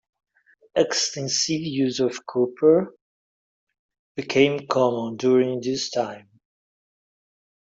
Extensive use of copper became common during this time.